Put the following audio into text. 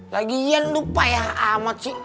lagian lupa ya amat sih